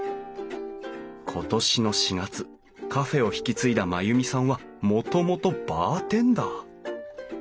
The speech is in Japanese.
今年の４月カフェを引き継いだまゆみさんはもともとバーテンダー！